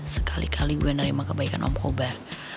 sekali kali gue menerima kebaikan om kobar